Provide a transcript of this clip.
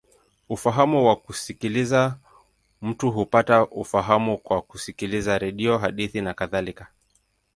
Ufahamu wa kusikiliza: mtu hupata ufahamu kwa kusikiliza redio, hadithi, nakadhalika.